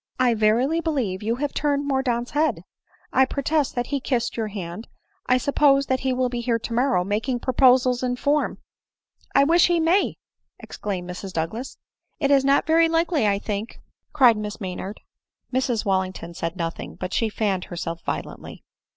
I verily believe you have turned Mordaunt's head ;— I protest that he kissed your hand ;— I suppose that he will be here tomorrow, making proposals in form." " I wish he may !" exclaimed Mrs Douglas. " It is not very likely, I think," cried Miss Maynard. Mrs Wallington said nothing ; but she fanned herself violently.